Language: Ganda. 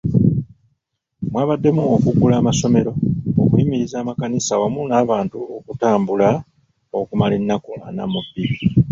Mwabaddemu okuggala amasomero, okuyimiriza amakanisa wamu n’abantu okutambula okumala ennaku ana mu bbiri.